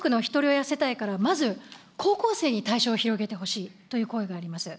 低所得のひとり親世帯からまず高校生に対象を広げてほしいという声があります。